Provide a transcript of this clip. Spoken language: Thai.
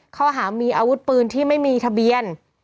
ข้อหามีอาวุธปืนที่ไม่มีทะเบียน